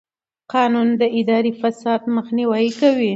قانون د اداري فساد مخنیوی کوي.